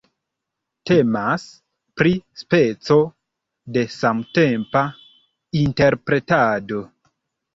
Temas pri speco de samtempa interpretado.